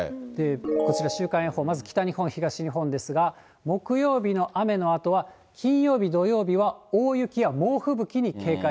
こちら週間予報、まず北日本、東日本ですが、木曜日の雨のあとは、金曜日、土曜日は大雪や猛吹雪に警戒。